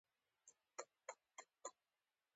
آیا زوم ته په خسرګنۍ کې ځانګړی درناوی نه کیږي؟